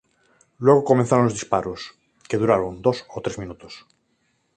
Luego comenzaron los disparos, que duraron dos o tres minutos.